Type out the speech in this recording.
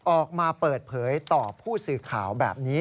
ออกมาเปิดเผยต่อผู้สื่อข่าวแบบนี้